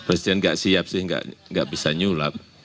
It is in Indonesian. pak presiden gak siap sih gak bisa nyulap